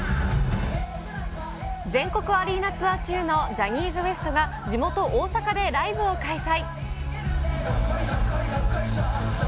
全国アリーナツアー中のジャニーズＷＥＳＴが地元、大阪でライブを開催。